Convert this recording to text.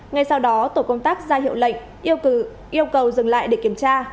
ngay sau đó tổ công tác ra hiệu lệnh yêu cầu dừng lại để kiểm tra